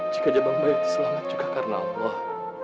jika jabang bayi itu selamat juga karena allah